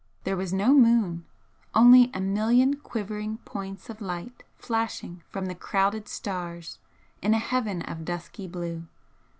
There was no moon; only a million quivering points of light flashing from the crowded stars in a heaven of dusky blue.